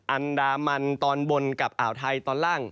อันดามันตอนบนกับอ่าวไทยตอนล่าง